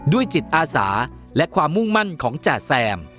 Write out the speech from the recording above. จิตอาสาและความมุ่งมั่นของจ่าแซม